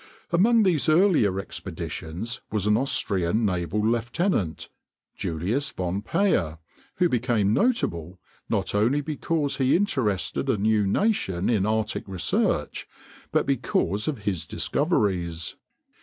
Among these earlier expeditions was an Austrian naval lieutenant, Julius von Payer, who became notable, not only because he interested a new nation in Arctic research, but because of his discoveries.